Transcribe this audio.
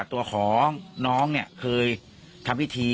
ตัวของน้องเนี่ยเคยทำพิธี